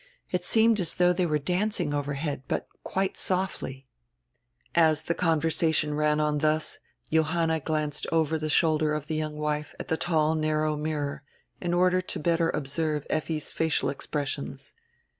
It seemed as though they were danc ing overhead, but quite softly." As die conversation ran on thus Johanna glanced over die shoulder of die young wife at die tall narrow mirror in order the better to observe Effi's facial expressions.